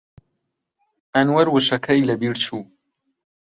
ئەنوەر وشەکەی لەبیر چوو.